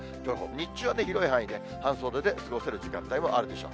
日中は広い範囲、半袖で過ごせる時間帯もあるでしょう。